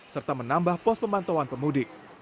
serta menambah pos pemantauan pemudik